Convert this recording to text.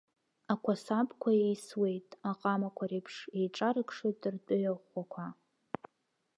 Ақәасабқәа еисуеит, аҟамақәа реиԥш еиҿарыкшоит ртәыҩа ӷәӷәақәа.